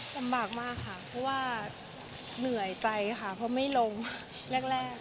ลำบากมากค่ะเพราะว่าเหนื่อยใจค่ะเพราะไม่ลงแรก